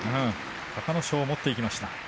隆の勝を持っていきました。